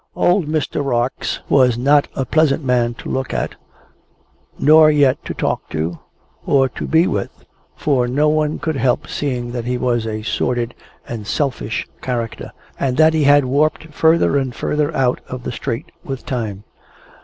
Old Mr. Rarx was not a pleasant man to look at, nor yet to talk to, or to be with, for no one could help seeing that he was a sordid and selfish character, and that he had warped further and further out of the straight with time.